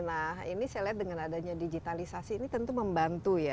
nah ini saya lihat dengan adanya digitalisasi ini tentu membantu ya